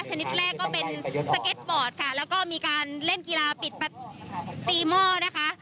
ชนิดแรกก็เป็นสเก็ตบอร์ดค่ะแล้วก็มีการเล่นกีฬาปิดตีหม้อนะคะ